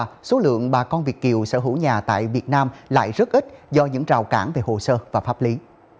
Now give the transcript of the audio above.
những năm qua số lượng bà con việt kiều sở hữu nhà tại việt nam lại rất ít do những rào cản về hồ sơ và pháp lý